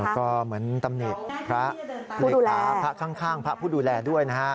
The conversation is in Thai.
ก็เหมือนตำแหน่งพระหลีกภาพข้างพระผู้ดูแลด้วยนะครับ